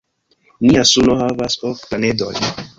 Nia suno havas ok planedojn.